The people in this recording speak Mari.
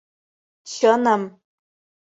Чыным!